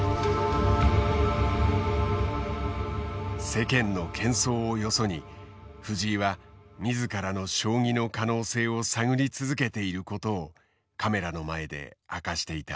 世間のけん騒をよそに藤井は自らの将棋の可能性を探り続けていることをカメラの前で明かしていた。